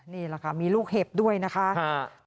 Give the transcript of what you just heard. นี่แหละค่ะมีลูกเห็บด้วยนะคะ